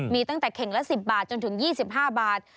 มีตั้งแต่เข่งละ๑๐บาทจนถึง๒๕บาท